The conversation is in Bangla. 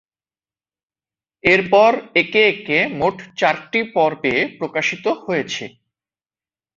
এরপর একে একে মোট চারটি পর্বে প্রকাশিত হয়েছে।